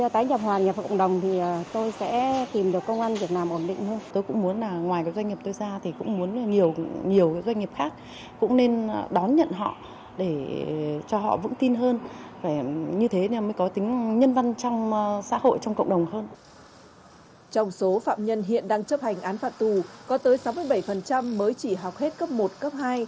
trong số phạm nhân hiện đang chấp hành án phạt tù có tới sáu mươi bảy mới chỉ học hết cấp một cấp hai